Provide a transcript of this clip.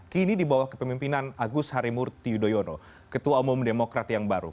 kini di bawah kepemimpinan agus harimurti yudhoyono ketua umum demokrat yang baru